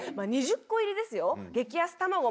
２０個入りですよ。